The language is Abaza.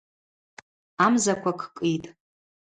Амзаква кӏкӏитӏ.